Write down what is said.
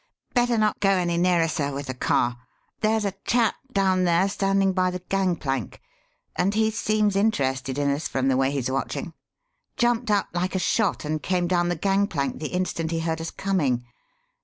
"Better not go any nearer, sir, with the car. There's a chap down there standing by the gangplank and he seems interested in us from the way he's watching. Jumped up like a shot and came down the gangplank the instant he heard us coming.